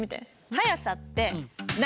速さって何？